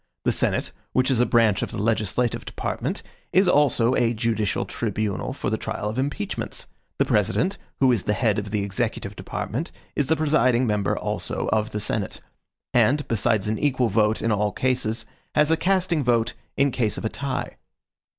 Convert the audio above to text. The Senate, which is a branch of the legislative department, is also a judicial tribunal for the trial of impeachments. The President, who is the head of the executive department, is the presiding member also of the Senate; and, besides an equal vote in all cases, has a casting vote in case of a tie.